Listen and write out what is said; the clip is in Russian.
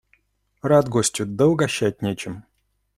Рад гостю, да угощать нечем.